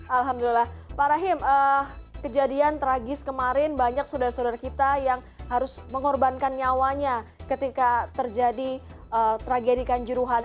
alhamdulillah pak rahim kejadian tragis kemarin banyak saudara saudara kita yang harus mengorbankan nyawanya ketika terjadi tragedi kanjuruhan